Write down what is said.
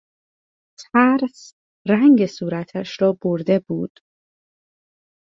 ترس رنگ صورتش را برده بود.